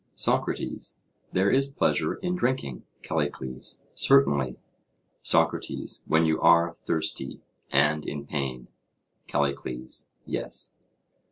SOCRATES: There is pleasure in drinking? CALLICLES: Certainly. SOCRATES: When you are thirsty? SOCRATES: And in pain? CALLICLES: Yes.